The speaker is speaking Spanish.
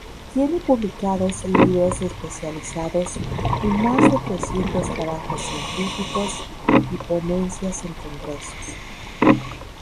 Tiene publicados libros especializados y más de trescientos trabajos científicos y ponencias en congresos.